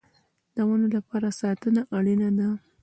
د ونو لپاره ساتنه اړین ده